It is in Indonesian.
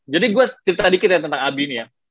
jadi gue cerita dikit ya tentang abi ini ya